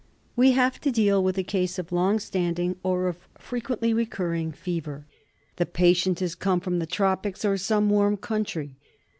We have to deal with a case of long standing, or of frequently recurring fever. The patient has come from the tropics or some warm country.